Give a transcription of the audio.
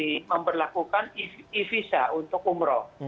itu pemerintahan saudi yang membeli visa juga untuk umroh